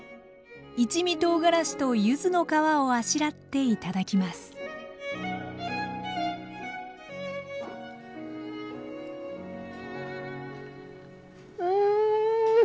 一味とうがらしとゆずの皮をあしらって頂きますうん！